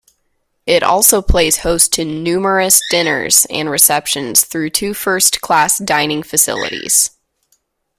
It also plays host to numerous dinners and receptions through two first-class dining facilities.